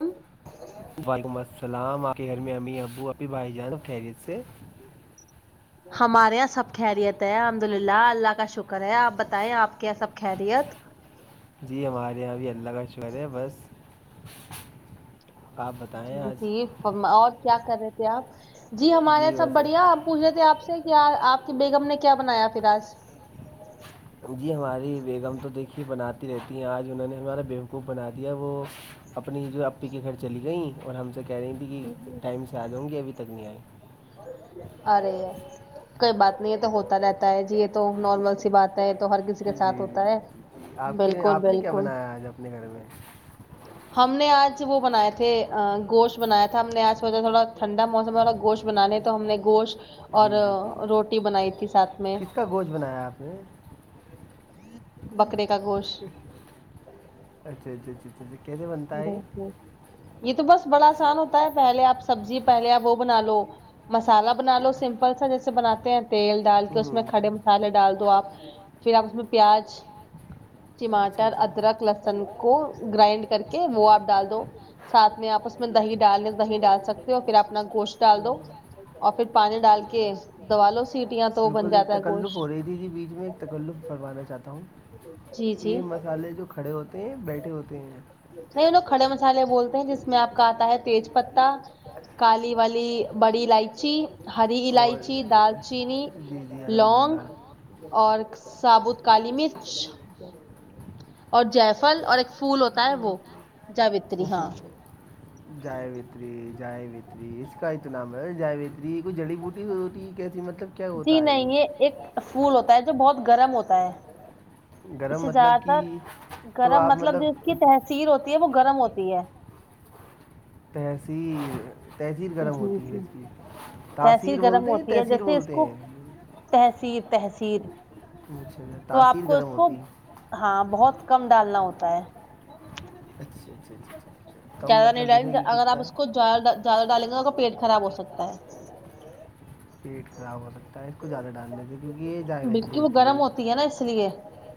ہ وعلیکم السلام آپ کے گھر میں امی ابو اپی بھائی جان خیریت سے ہمارے یہاں سب خیریت ہے الحمد للہ اللہ کا شکر ہے آپ بتائیں آپ کے یہاں سب خیریت جی ہمارے یہاں ابھی اللہ کا شکر ہے بس آپ بتا جی اور کیا کر رہے تھے آپ جی ہمارے یہاں سب بڑھیا آپ پوچھ رہے تھے آپ سے کہ آپ کی بیگم نے کیا بنایا پھر آج جی ہماری بیگم تو دیکھیے بناتی رہتی ہیں آج انہوں نے ہمارا بیوقوف بنا دیا وہ اپنی جو آپی کے گھر چلی گئیں اور ہم سے کہہ رہی تھیں کہ ٹائم سے آ جاؤں گی ابھی تک نہیں آئیں آ رہے ہے کوئی بات نہیں ہے تو ہوتا رہتا ہے جی یہ تو نارمل سی بات ہے تو ہر کسی جی کے ساتھ جی ہوتا ہے آپ کے بالکل آپ نے کیا بالکل بنایا آج اپنے گھر میں ہم نے آج وہ بنائے تھے گوشت بنایا تھا ہم نے آج تھوڑا ٹھنڈا موسم میں تھڑا گوشت بنانے تھے تو ہم نے گوشت اور جی جی جی روٹی بنائی تھی ساتھ میں کچھ بنایا آپ نے بکرے کا گوشت اچھا اچھ اچا جی جی یہ تو بس بڑا آسان ہوتا ہے پہلے آپ سبزی پہلے آپ وہ بنا لو مسالہ بنا لو سمپل سا جیسے بناتے ہیں تیل ڈال ہوں۔ کے اس میں کھڑے مسالہ ڈال دو آپ پھر آپ اس میں پیاز اچھا اچھا ٹماٹر اچھا معاملات اخلاق لفظوں کو گائیڈ کریں گے ادرک ل من کو گرائنڈ کر کے وہ آپ ڈال دو سات میں آپ اس میں دہی ڈال ل دہ ڈال سکتے ہو اور پھر اپنا گوشت ڈال دو اور پھر پانی ڈال کے دبا لو سیٹیاں تو بن جاتا ہے گوشت دے دی تھی بیچ میں تکلط فرمانا چاہتا ہوں جی کہ جی یہ مسالحے جو کھڑے ہوتے ہیں بیٹھے ہوتے ہیں نہیں لوگ کھڑے مسالحے بولتے ہیں جس میں آپ کا آتا ہے تیج پتا کالی والی بڑی الائچی ہری اور الائچی دالچینی جی جی الحمد لونگ للہ اور سابوت کالی مرچ اور جیفل اور ایک پھول ہوتا ہے وہ جاوتری پوش ہاں جائے وتری جائے وتری اس کا اتناام ہے جائےوتری کوئی جڑی بوٹی ہو ہوتی ہے کیسی مطلب [inaudible] جی نہیں یہ ایک پھول ہوتا ہے جو بہت گرم ہوتا ہے اس گرم سے مطلب زیادہ کہ تر تو گرم آپ مطلب جو اس کی تحذیر ہوتی ہے وہ گرم ہوتی ہے تہسیی [inaudible] تحذیر گرم جی ہوتی ہے جی اس کی تحسیر تاثیر بولتے ہیں تحثیر بولتے ہیں تحصیر تحصیر اچھاا تاثیر گرم ہوتی ہے [inaudible] ہاں بہت کم ڈالنا ہوتا ہے اچھا اچھا اچھا اچھا اچھا کم زیادہ نہیں مطلب ڈالیں دیکھے گ گی اگر آپ کتنا اس کو زدہ ڈالیں گے کا پیٹ خراب ہو سکتا ہے [inaudible] اس کو زیادہ ڈال دیں گے کیونکہ یہ جائے اتنی بلکہ وہ ہوتی گرم ہے نا اس لیے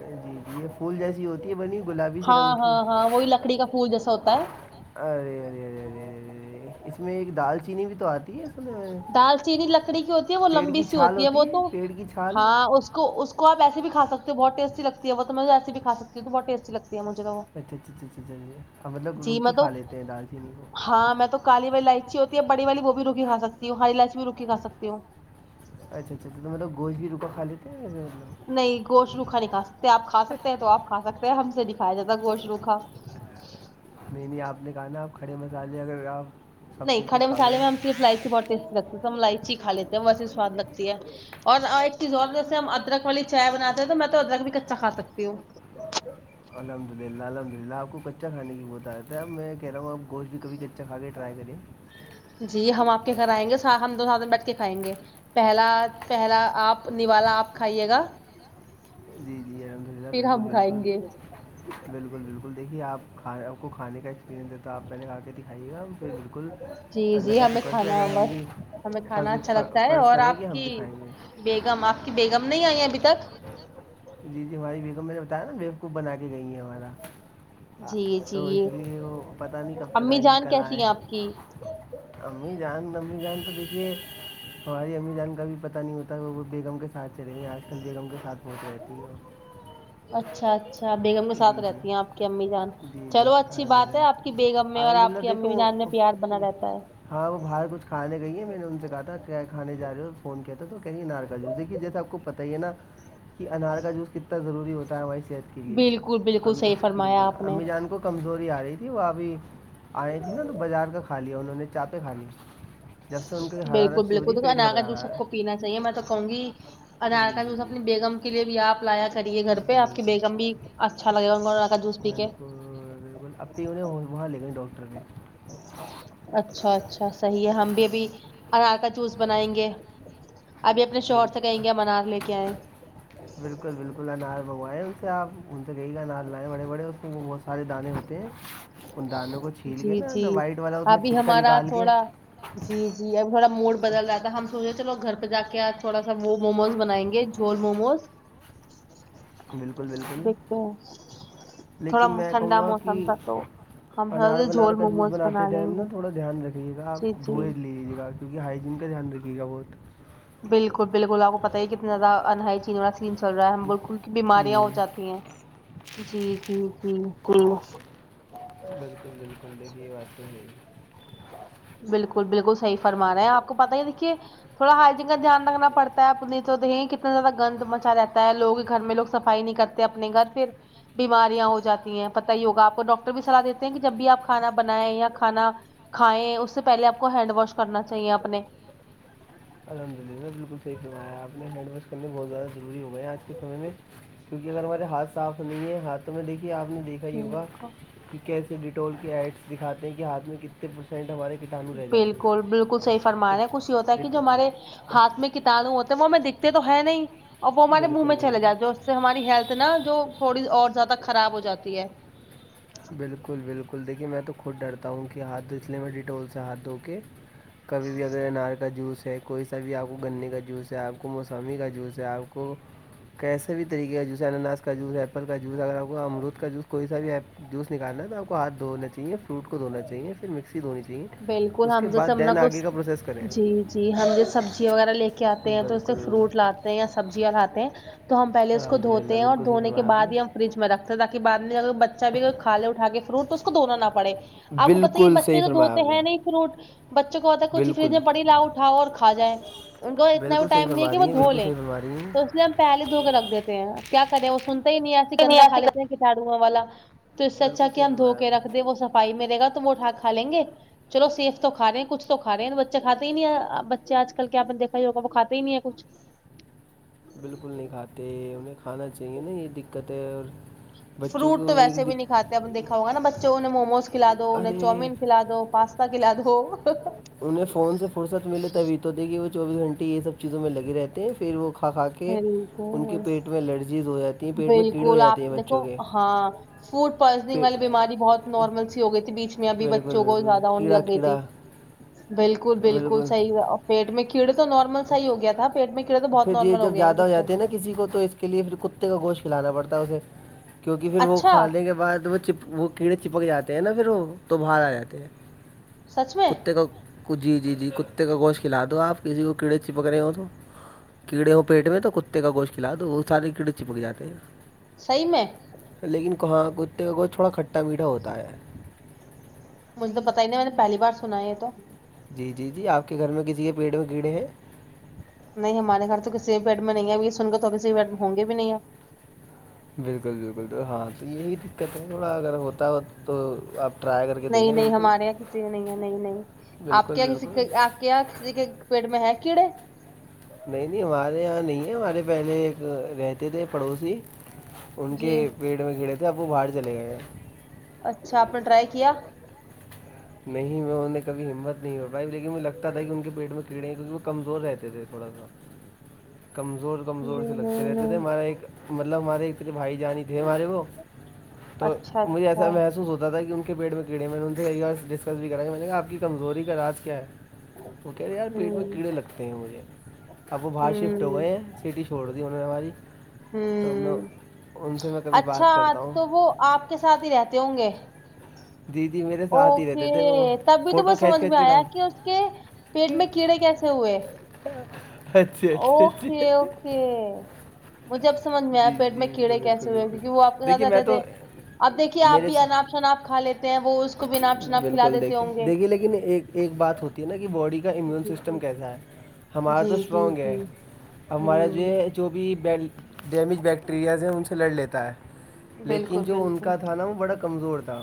[inaudible] جی جی یہ پھول جیسی ہوتی بنی گلابی [inaudible] ہاں کی ہاں ہاں وہی لکڑی کا پھول جیسا ہوتا ہے ارے ارے ارے ارے اے اے اس میں ایک دال چینی بھی تو آتی ہے [inaudible] دال چینی لکڑی کی ہوتی ہے وہ پیڑ لمبی کی سی چھال ہوتی ہے وہ تو پیڑ کی چھال ہاں اس اس کو اس کو آپ ایسی بھیھاک ہو بہت ٹی لگتی ہے وہ تو میں ایسی بھیھا سکتی تو بہت ٹی لگتی ہے مھے تو وہ اچھا اچھا اچھا اچ اچیے مطلب جی میں روکی تو کھا لیتے ہیں دال چینی کو [inaudible] ہاں میں تو کالی والی لائچی ہوتی ہے بڑی والی وہ بھی روکھیھا ستی ہو ہاری لائچ بھی روک کےھا سکتی ہو اچھا اچھا تو مطلب گوش بھی رکا خ لی تھےب [inaudible] نہیں گوش روکھا نہیں کا سکتے آپ کھا سکتے ہیں تو آپ کھا سکتے ہیں ہم سے نہیں کایا جاتا گوش روکھا نہیں نہیں آپ نے کہا نا آپ کھڑے مسالے اگر آپ [inaudible] نہیں کھڑے کھا مسالے گئے میں ہم صرف لائچی بہت ٹی لگتی ہے ہیں ہم لائچی کھ لیتے ہیں ویسی سواد لگتی ہے اور ایک چیز اور جیسے ہم ادرک والی چائے بناتے ہیں تو میں تو ادرک بھی کچا کا سکتی ہوں الحمد للہ الحمد للہپ کو کچاھے کی بہتتایا ہےب میں کہ رہاوں گپ گشت بھی کھی کچا کھا کے ٹرائی کرے [inaudible] جی ہم آپ کے گھر آئیں گے س ہم دو ساتھ میں بیٹھ کے کھائیں گے پہلا پہلا آپ نوالا آپ کھائیے گا جی جی ہم پھر ہم کھائیں گے بالکل بالکل دیکھیے آپ کھا آپ کو کھان کا ایکسپریئنس دے تو آپ پہلے آا کے دکھائیے گا ج بالکل جی اللہ جی کی ہمیں شکرش کیاگ کھانا رہے ہمی [inaudible] بس ہمیں کھانا اچھا لگتا ہے اور آپ کی کھائیں گے بیگم آپ کی بیگم نہیں آئی ابھی تک جی جی ہماری بیگم میں نے بتایا نا ویب کوپ بنا کے گئی ہے ہمارا ہ جی تو اس جی لیے وہ پتاہ نہیں کب تک امی آئیں گی جان کل کیسی آئیں ہیں آپ کی امی جان امی جان تو دیکھیے ہماری امی جان کا بھی پتہ نہیں ہوتا وہ وہ بیگم کے ساتھ [inaudible] چلیںے آج کل بیگم کے ساتھ پہچ رہتی ہیں اور [inaudible] اچھا اچھا بیگم کے ساتھ جی جی رہتی ہیں آپ کی امی جان جی جی چلو اچھی الحمد بات ہے آپ کی للہ بیگم میں اور الحمد للہ آپ کی امی بھی دیکھو جان میں پیار بنا رہتا ہے ہاں وہ باہر کچھے گئی ہے میں نے ان سے کہا تھا کیا کھان جا رہے ہو فون کیا تھا تو کہیںے نار کا جوس دیک کہ جیسے آپ پت ہی ہے نا کہ انار کا جوس کتنا ضروری ہوتا ہے ہماری صحت کے لیے بالکل ا بالکل صحیح فرمایا بالکل آپ نے امی جان کو کمزوری آ رہی تھی وہ ابھی آئے تھیں نا تو بازار کا کھا لیا انہوں نے چا پیں کھا لی جب سے ان کو بالکل حرارت سے ہو بالکل رہی د پیٹ اناگا گھبرا جوس رہا سب کو ہے پینا چاہیے میں تو کہوں گی آدھار جی کارڈ جی اسس جی اپنی بیگم کے لیے بھی آپ لایا کریے گھر پہ بالکل آپ کی بیگم بھی اچھا لگ گا انا کا جوس پی کے پھر انہیں وہاں لے گئے ڈاکٹر نے [inaudible] اچھا اچھا صحی ہے ہم بھی ابھی انرار کا جوس بنائیں گے ابھی اپنے شوہر سے بالکل کہیں گے منار لے کے آئےیں بالکل بالکل انار منوائے سے آپ ان سے کہئی کا انار لائے بڑے بڑے اس سارے دانے ہوتے ہیں ان دانوں کو چھیل جی کے نا جی نا وائٹ والا اس میں ابھی چھلکا ہمارا نکال کے تھوڑا جی جی اب تھوڑا موڈ بدل رہا تھا ہم سوچے چلو گھر پہ جا کے آج تھوڑا سا وہ موموز بنائیں گے جھول موموز غ بالکل بالکل دیکھتے ہیں تھوڑا لیکن میں کہوں ٹھنڈا گا موسم کہ تھا تو ہم انار تھوڑا ونار جھول کاجوس موموز بناتے بنا لیں ٹائم گے ناوڑا دھیان رکھیے گا جی آپ دھو جی ہی لیجیے گا کیونکہ ہائیجین کا دھیان رکے گا بہت بالکل بالکل آپ کو پت ہی ہے کتنا زیادہ انہ چینا چل رہا ہے بالکل کی بیماریاں ہو جی جاتی ہیں جی جی جی بکل بالکل بالکل دیکھی یہ بات تو ہوی بالکل بالکل صحیح فرما رہا ہے آپ کو پتاہ ہی دیکھیے تھوڑا ہائی کا دھیان رکھنا پڑتا ہے اپنی تو دہ کتنا زیادہ گند مچا رہتا ہے لوگ گھر میں لگ سفائی نہیں کرتے اپنے گھر پھر بیماریاں ہو جاتی ہیں پت ہی ہوگا آپ کو ڈاکٹر بھی سلاح دیتے ہیں کہ جب بھی آپ کھانا بنائیں یا کھانا کھائیں اس سے پہے آپ کو ہینڈ واش کرنا چاہیے اپنے الحمد للہ بالکل صحیح فمایا آپ نے ہینڈ واش کرنے بہت زیادہ ضروری ہو گئے آج کے سمے میں کیونکہ اگر ہمارے ہاتھ صاف نہیں ہے ہاتھ تو میں دیکھیے آپ نے دیکھا ہییگا کہ کیسے ڈیٹول کے ایڈس دکھاتے ہیں کہ ہاتھ میں کتنے پرسینٹ ہمارے کٹانو رہ جاتے بالکل ہیں بالکل صحیح فرمان ہے کچھ یہ ہوتا ڈٹ- ہے کہ جو ہمارے ڈیٹول ہاتھ میں کتااروں ہوتے ہیں وہ ہمیں دکھتے تو ہے نہیں اور وہ ہمارے منہ بالکل میں چل بالکل جاتے جو سے ہماری ہیلتھ نا جو تھوڑی اور زیادہ خراب ہو جاتی ہے بالکل بالکل دیکھیے میں تو خود ڈرتا ہوں کہ ہاتھو اس لیے میں ڈیٹول سے ہاتھ دھو کے کبھی بھی اگر انار کا جوس ہے کوئی سا بھی آپ کو گنے کا جوس ہے آپ کو موسامی کا جوس ہے آپ کو کیسے بھی طریقے کا جوس ہے اننااس کا جوس ہے ایپل کا جوس ہے اگر آپ کو امرود کا جوس کوئی سا بھی ایپ جوس نکالنا ہے تو آپ کو ہات دھو چاہیے فروٹ کو دونا چاہیے پھر مک بالکل ہم جیسے ہم نہ آگے کا کچھ پروسیس کریں جی جی ہم جیسے سبزی وغیرہ لے کے کیا آتے ہیں تو اس سے بالکل فروٹ لاتے ہیں یا سبزیاں لاتے ہیں تو ہم پہلے اس کو الحمد للہ دھوتے ہیں اور بالکل صحیح دھونے کے فرمایا آپ بعد نے ہی ہم فریج میں رکھتے ہیں تاکہ بع میں اگر بچہ بھی اگر کھالے اٹھا کے فرٹ تو اس کو دھونا نہ پڑے آپ کو پت یہ بالکل صحیح بچے تو دو فرمایا آپ تو نے ہے نہیں فروٹ بچوں کو بتا ہے کچھ فریج بالکل میں پڑ ہی لا اٹھاؤ اور کھا جائے ان کو اتنا بھی بالکل صحیح ٹائم نہیں ہے فرما کہ وہ رہی ہیں دھو بالکل لیں صحیح فرما رہی ہیں تو اس لی ہم پہلے دھو کے رکھ دیتے ہیں کیا کریں وہ سنتا ہی نہیں ایسی گندا کھ لیتے ہیں کتاڑوں والا تو اس سے اچھا بالکل کہ صحیح ہم دھو فرمایا کے آپ رکھ دیں نے وہ صفائی میرے گا تو وہ اٹھا کا لیں گے چلو سیف تو کھاے ہیںچھ تو کھ رہے ہیں بچے کاتے ہی نہیں ہے بچے آج کل کیا آپ نے دھا ہی ہوا وہ کاتا ہی نہیں ہے کچ بالکل نہیں کھاتے انہیں کھانا چاہیے نا یہ دقت ہے اور بچوں فروٹ کو تو ایک ویسے بھی نہیں دق کاتے اپ دیکھا ہوگا ن بچوںہ نے موموز کھلا دو انہ ارے چوومین کھلاا دو پاستا کھلا دو انہیں فون سے فرصت ملے تبھی تو دھی کہ وہ چوبیس گھنٹے یہ سب چیزوں میں لگ رہتے ہیں پھر وہ کھا کھا کے کہ ان کے بالکل پیٹ میں الرجیز ہو جاتی ہیں پیٹ میں کیڑے ہو بالکل جاتے آپ ہیں دیکھو بچوں کے ہاں فوڈ پوائزننگ پیٹ والی بیماری بہت نارمل سی ہو گئی تھی بیچ میں ابھی بالکل بچوں کو بالکل زیادہ ہونے کیڑا لگ گئی تھی کیڑا بالکل بالکل صحیح پیٹ میں کیڑے تو نارمل صحیح ہو گیا تھا پیٹ میں کیڑے تو بہت پھر یہ نارمل جب گئے زیادہ ہو بچوں جاتے میں ہیں نا کسی کو تو اس کے لیے پھر کتے کا گوشت کھلانا پڑتا ہے اسے کیونکہ پھر وہ اچھا کھانے کے بعد وہ چ وہ کیڑے چپک جاتے ہیں نا پھر وہ تو باہر آ جاتے ہیں سچ میں کتے کو جی جی جی کتے کا گوشت کھلاا دو آپ کسی کو کیڑے چپک رہے ہو تو کیڑے وہ پیٹ میں تو کتے کا گوش کھلا دو وہ سارے کیڑے چپک جاتے ہیں صحیح میں لیکن کہاں کتے کا گوشت تھوڑا کھٹا میٹھا ہوتا ہے مجھے تو پتا ہی نہیںا میں نے پہلی بار سنا ہے یہ تو جی جی جی آپ کے گھر میں کسی کے پیٹ میں کیڑے ہیں نہیں ہمارے گھر تو کسی بھی بیڈ میں نہیں ہے اب سن گا تو کسی بیڈ میں ہوں گے بھی نہیں ہے بالکل بالکل تو ہاں تو یہی دقت ہے تھوڑا اگر ہوتا ہو تو آپ ٹرائی کر کے نہیں دیکھیں نہیں بالکل ہمارے یہاں کسی نہیں ہے نہیں نہیں آپ بالکل کیا کسی بالکل کا کیا کسی کے پیٹ میں ہے کیڑے نہیں نہیں ہمارے یہاں نہیں ہے ہمارے پہلے ایک رہتے تھے پڑوسی ان کے جی پیٹ میں گھیرے تھے اب وہ باہر چلے گئے اچھا آپ نے ٹرائی کیا نہیں میں ان نے کبھی ہمت نہیں ہو پاائی لیکن مج لگتا کہ ان کے پیٹ کیڑے ہیں کیونکہ وہ کمزور رہتے تھے تھوڑا سا کمزور جی کمزور سے لگتے نہیں رہتے تھے نہیں ہمارا ایک مطلب ہمارے مے بھائی جانی تھے ہمارے وہ تو اچھا مجھے ایسا اچھا محسوس ہوتا تھا کہ ان کے پیٹ میں کیڑے م رون تھ گ اور ڈسکس بھی کرا گ میں نے کہا آپ کی کمزوری کا علاج کیا ہے وہ کہہ رہے ہیں یار پیٹ میں ہمم کیڑے لگتے ہیں مجھے اب وہ باہر شفٹ ہو ہمم گئے ہیں سٹی ش چھوڑ دییا انہوں نے ہماری تو میں ہمم ان سے میں کبھی اچھا بات کرتا ہوں تو وہ آپ کے ساتھ ہی رہتے ہوں گے دیدی میرے ساتھ ہی رہتے اوکے تھے وہ تب بھی تو فوٹو بس کھینچ سمجھ کھینچ میں کے آیا ڈال کہ اس کے پیٹ میں کیڑے کیسے ہوئے اچھا اچھا اچھا اوکے مجھے اب سمجھ میں آیا جی جی پیٹ جی میں بالکل کیڑے بالکل کیسے ہوئے بالکل کی کہ وہ آپ کو زیاد دیکھیے میں رہتے تھے تو اب دیکھیے آپ میرے بھی سا- انناپ شناپ کھا لیتے ہیں وہ اس کو بھی انپ شناپ کھلا بالکل دیتے دیکھیے ہوں گے دیکھیے لیکن ایک ایک بات ہوتی نا بای امیون جی جی سسٹم کیسا ہے ہمارا جی تو جی اسٹرانگ ہے جی اب ہمارا جو ہوں ہے جو بھی ڈیمیج بیکٹیریاز ہیں ان سے لڑ لیتا ہے لیکن بالکل جو ان بالکل کا تھا نا وہ بڑا کمزور تھا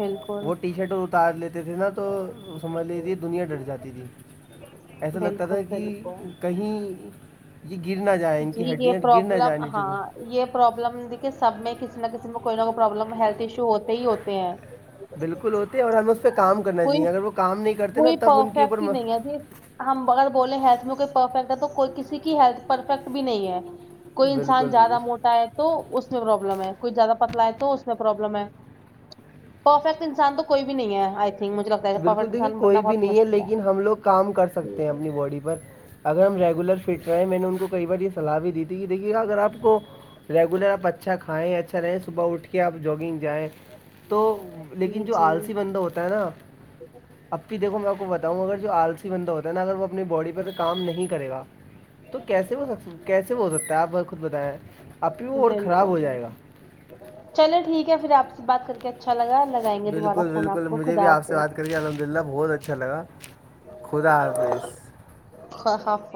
بالکل وہ ٹی شرٹ تار لیتے تھے نا تو سمجھ لی تھی دنیا ڈر جاتی تھی ایسا لگتا تھا بالکل کہ بالکل کہیں یہ گر نہ جائےیں ان کی جی یہ ہڈیاں گر نہ پرابلم جانے ہاں چکوں یہ پروابلم دیکھیے سب میں کسی نہ کسی میں کوئی نہ کوئی پرابلم ہیلتھ ایشو ہوتے ہی ہوتے ہیں بالکل ہوتے ہیں اور ہمیں اس پہ کام کرنا کوئی چاہیے اگر وہ کام نہیں کرتے نا کوئی تب ان کے اوپر پرفیکٹ ہی نہیں ہے جی ہم اگر بولیں ہیلتھ میں کوئی پرفیکٹ ہے تو کوئی کسی کی ہیلتھ پرفیکٹ بھی نہیں ہے کوئی انسان بالکل زیادہ موٹا ہے تو اس میں پروابلم ہے کوئی زیادہ پتلا ہے تو اس میں پروابلم ہے پرفیکٹ انسان تو کوئی بھی نہیں ہے تھنک مجھے لگتا ہے پرفیکٹ بالکل دیکھیے انسان بننا کوئی بھی بہت نہیں ہے مشکل لیکن ہم لوگ کام کر سکتے ہیں اپنی باڈی پر اگر ہم ریگولر فٹ رہے ہیں میں نے ان کو کئی بار یہ سلاح بھی دی تھی کہ دیکھیے گا اگر آپ کو ریگولر آپ اچھا کھائیں اچھا رہیں صبح اٹھ کے آپ جاگنگ جائیں تو لیکن جی جو جی آلسی بندہ ہوتا ہے نا اب بھی دیکھو میں آپ کو بتاؤں اگر جو آلسی بندہ ہوتا ہے نا اگر وہ اپنی باڈی پہ تو کام نہیں کرے گا تو کیسے ہو سک کیسے وہ ہو سکتا ہے آپ خود بتایا اب بھی وہ اور خراب بالکل ہو جائے گا بالکل چلے ٹھیک ہے پھر آپ سے بات کر کے اچھا لگا لگائیں گے دوبارہ فون آپ کو خدا حافظ شکری الحمد للہ بہت اچھا لگا خدا حافظ خاں ہاں